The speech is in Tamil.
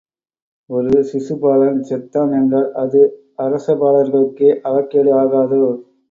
ஒரு சிசுபாலன் செத்தான் என்றால் அது அரச பாலர்களுக்கே அவக்கேடு ஆகாதோ?